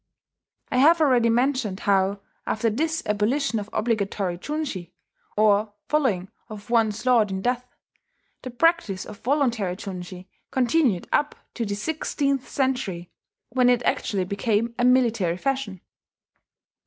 I have already mentioned how, after this abolition of obligatory junshi, or following of one's lord in death, the practice of voluntary junshi continued up to the sixteenth century, when it actually became a military fashion.